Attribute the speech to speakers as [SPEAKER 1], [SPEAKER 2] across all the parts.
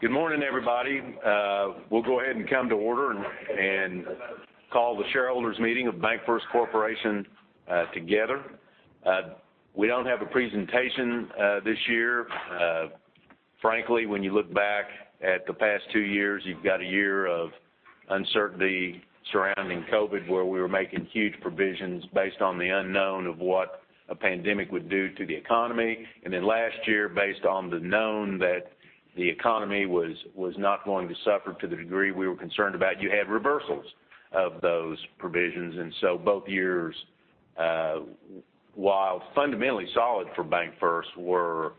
[SPEAKER 1] Good morning, everybody. We'll go ahead and come to order and call the shareholders meeting of BancFirst Corporation together. We don't have a presentation this year. Frankly, when you look back at the past two years, you've got a year of uncertainty surrounding COVID, where we were making huge provisions based on the unknown of what a pandemic would do to the economy. Last year, based on the known that the economy was not going to suffer to the degree we were concerned about, you had reversals of those provisions. Both years, while fundamentally solid for BancFirst, were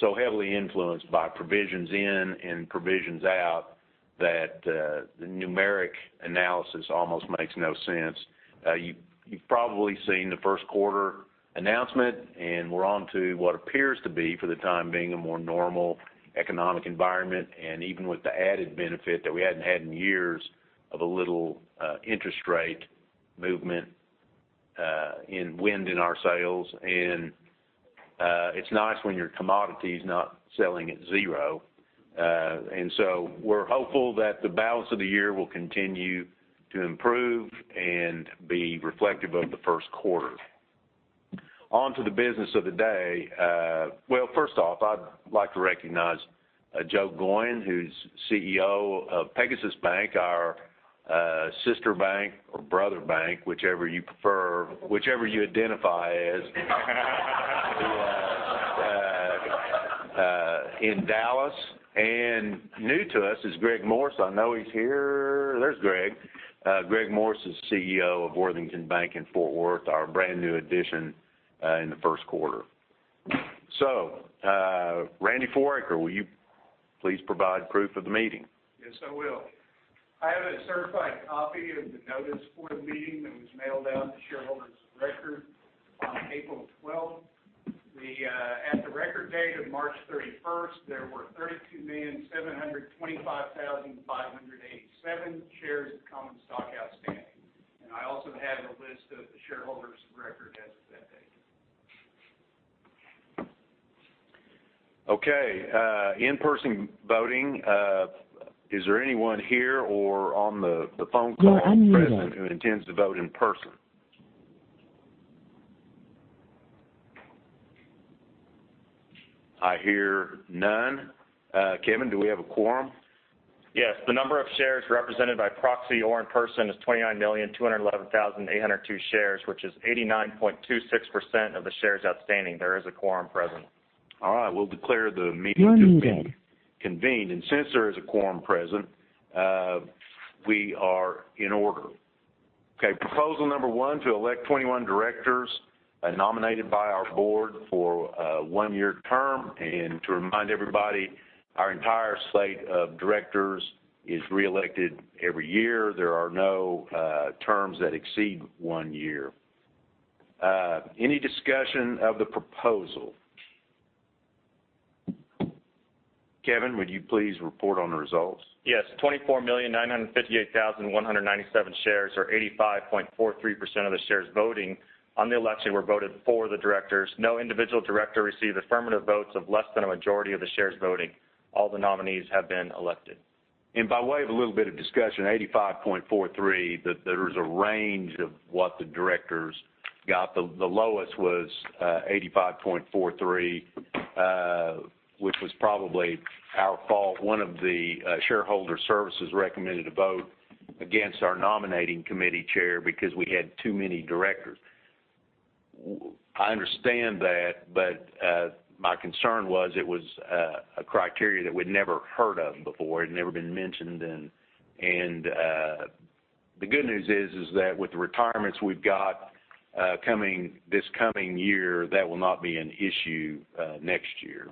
[SPEAKER 1] so heavily influenced by provisions in and provisions out that the numeric analysis almost makes no sense. You've probably seen the first quarter announcement, and we're on to what appears to be, for the time being, a more normal economic environment, and even with the added benefit that we hadn't had in years of a little interest rate movement in wind in our sails. It's nice when your commodity is not selling at zero. We're hopeful that the balance of the year will continue to improve and be reflective of the first quarter. On to the business of the day. First off, I'd like to recognize Joe Goyne, who's CEO of Pegasus Bank, our sister bank or brother bank, whichever you prefer, whichever you identify as in Dallas. New to us is Greg Morse. I know he's here. There's Greg. Greg Morse is CEO of Worthington National Bank in Fort Worth, our brand-new addition, in the first quarter. Randy Foraker, will you please provide proof of the meeting?
[SPEAKER 2] Yes, I will. I have a certified copy of the notice for the meeting that was mailed out to shareholders of record on April 12th. At the record date of March 31st, there were 32,725,587 shares of common stock outstanding. I also have a list of the shareholders of record as of that date.
[SPEAKER 1] Okay. In-person voting, is there anyone here or on the phone call who is present who intends to vote in person? I hear none. Kevin, do we have a quorum?
[SPEAKER 3] Yes. The number of shares represented by proxy or in person is 29,211,802 shares, which is 89.26% of the shares outstanding. There is a quorum present.
[SPEAKER 1] All right. We'll declare the meeting convened. Since there is a quorum present, we are in order. Okay, proposal number one, to elect 21 directors nominated by our board for a one-year term. To remind everybody, our entire slate of directors is reelected every year. There are no terms that exceed one year. Any discussion of the proposal? Kevin, would you please report on the results?
[SPEAKER 3] Yes. 24,958,197 shares, or 85.43% of the shares voting on the election were voted for the directors. No individual director received affirmative votes of less than a majority of the shares voting. All the nominees have been elected.
[SPEAKER 1] By way of a little bit of discussion, 85.43%. There's a range of what the directors got. The lowest was 85.43%, which was probably our fault. One of the shareholder services recommended a vote against our nominating committee chair because we had too many directors. I understand that, but my concern was it was a criteria that we'd never heard of before. It had never been mentioned. The good news is that with the retirements we've got coming this year, that will not be an issue next year.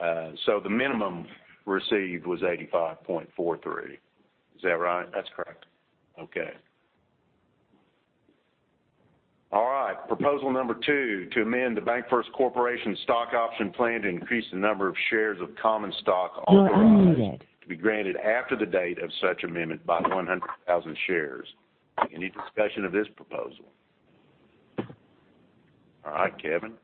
[SPEAKER 1] The minimum received was 85.43%. Is that right?
[SPEAKER 3] That's correct.
[SPEAKER 1] Okay. All right. Proposal number two, to amend the BancFirst Corporation Stock Option Plan to increase the number of shares of common stock authorized to be granted after the date of such amendment by 100,000 shares. Any discussion of this proposal? All right, Kevin.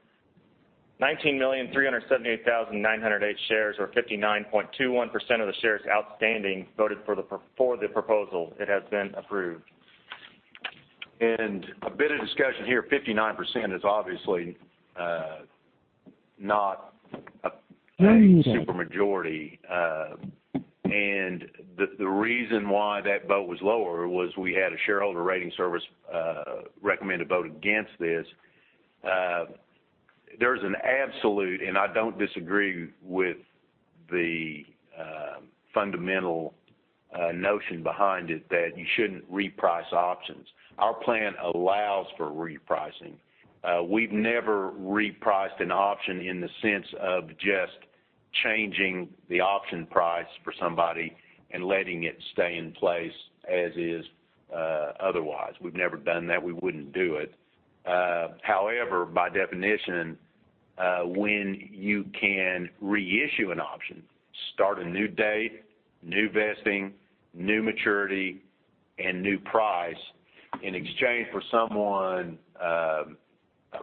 [SPEAKER 3] 19,378,908 shares, or 59.21% of the shares outstanding, voted for the proposal. It has been approved.
[SPEAKER 1] A bit of discussion here, 59% is obviously not a supermajority. The reason why that vote was lower was we had a shareholder rating service recommend a vote against this. There's an absolute, and I don't disagree with the fundamental notion behind it, that you shouldn't reprice options. Our plan allows for repricing. We've never repriced an option in the sense of just changing the option price for somebody and letting it stay in place as is, otherwise. We've never done that. We wouldn't do it. However, by definition, when you can reissue an option, start a new date, new vesting, new maturity, and new price in exchange for someone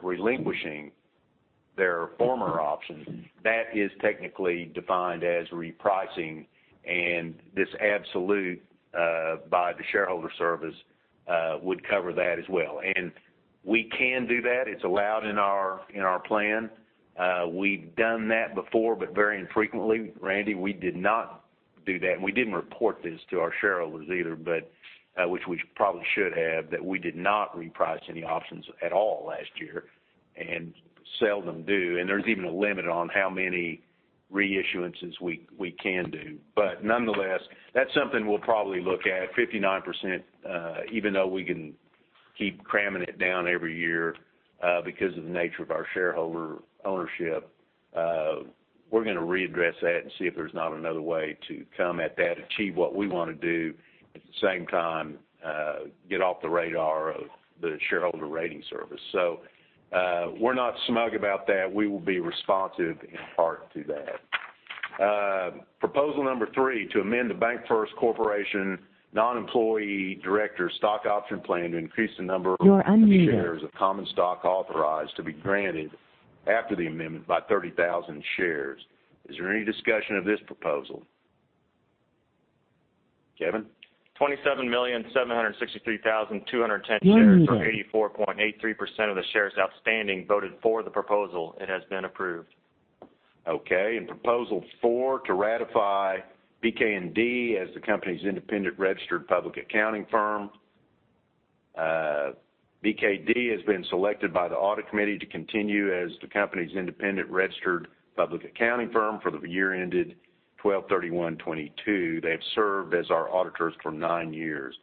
[SPEAKER 1] relinquishing their former options, that is technically defined as repricing, and this absolute by the shareholder service would cover that as well. We can do that. It's allowed in our plan. We've done that before, but very infrequently. Randy, we did not do that, and we didn't report this to our shareholders either, but which we probably should have, that we did not reprice any options at all last year and seldom do. There's even a limit on how many reissuances we can do. Nonetheless, that's something we'll probably look at 59%, even though we can keep cramming it down every year, because of the nature of our shareholder ownership, we're gonna readdress that and see if there's not another way to come at that, achieve what we wanna do, at the same time, get off the radar of the shareholder rating service. We're not smug about that. We will be responsive in part to that. Proposal number three, to amend the BancFirst Corporation Non-Employee Directors' Stock Option Plan to increase the number of shares of common stock authorized to be granted after the amendment by 30,000 shares. Is there any discussion of this proposal? Kevin?
[SPEAKER 3] 27,763,210 shares 84.83% of the shares outstanding voted for the proposal. It has been approved.
[SPEAKER 1] Okay. Proposal four, to ratify BKD as the company's independent registered public accounting firm. BKD has been selected by the audit committee to continue as the company's independent registered public accounting firm for the year ended 12/31/2022. They have served as our auditors for nine years.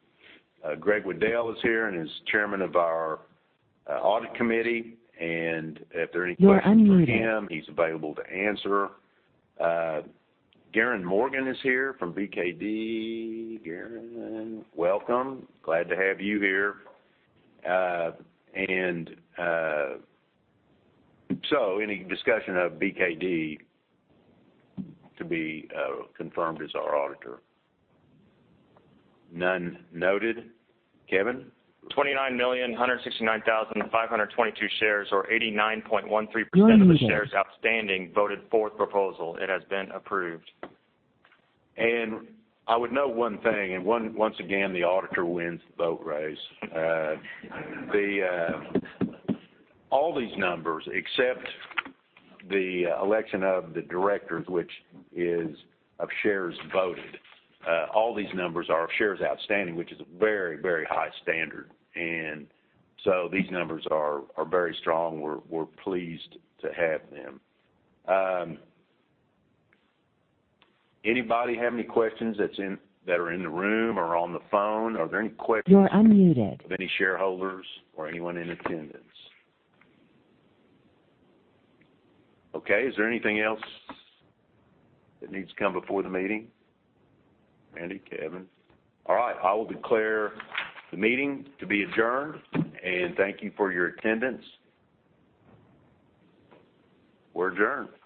[SPEAKER 1] Gregory G. Wedel is here and is chairman of our audit committee. If there are any questions. For him, he's available to answer. Garen Morgan is here from BKD. Garen, welcome. Glad to have you here. Any discussion of BKD to be confirmed as our auditor? None noted. Kevin?
[SPEAKER 3] 29,169,522 shares, or 89.13% of the shares outstanding voted for the proposal. It has been approved.
[SPEAKER 1] I would note one thing. Once again, the auditor wins the vote, Ray. All these numbers, except the election of the directors, which is of shares voted, all these numbers are of shares outstanding, which is a very, very high standard. These numbers are very strong. We're pleased to have them. Anybody have any questions that are in the room or on the phone? Are there any questions? Of any shareholders or anyone in attendance? Okay. Is there anything else that needs to come before the meeting? Randy? Kevin? All right. I will declare the meeting to be adjourned, and thank you for your attendance. We're adjourned.